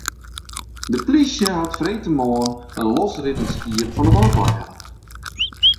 De plysje hat freedtemoarn in losrinnend skiep fan de Wâldwei helle.